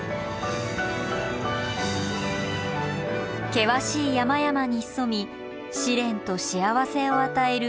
険しい山々に潜み試練と幸せを与える国東の鬼。